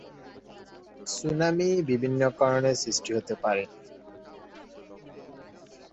Tsunami বিভিন্ন কারণে সৃষ্টি হতে পারে।